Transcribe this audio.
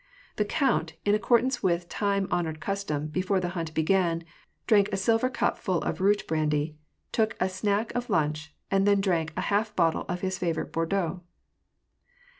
The count, in accordance with time honored custom, before the hunt began, drank a silver cup full of zap ekdnotchka, or root brandy, took a snack of lunch, and then drank a half bottle of his favorite Bordeaux.